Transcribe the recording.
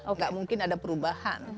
tidak mungkin ada perubahan